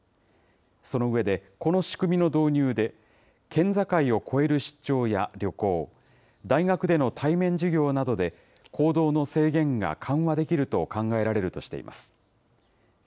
その上で、この仕組みの導入で、県境を越える出張や旅行、大学での対面授業などで、行動の制限が緩和できると考えられるとしています。